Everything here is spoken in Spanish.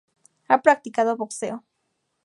Ha practicado boxeo.